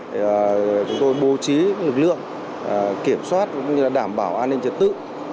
thì chúng tôi bố trí lực lượng kiểm soát cũng như là đảm bảo an ninh trật tự